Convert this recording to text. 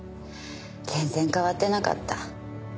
全然変わってなかった。